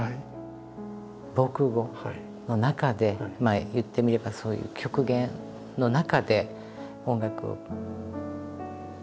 防空壕の中で言ってみればそういう極限の中で音楽を聴きたい。